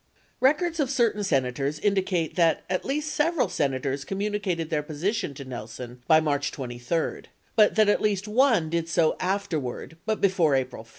43 Records of certain Senators indicate that at least several Senators communicated their position to Nelson by March 23 but that at least one did so afterward but before April 5.